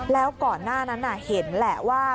แล้วก่อนหน้านั้นเห็นแหละว่า